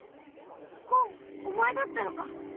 ごんお前だったのか。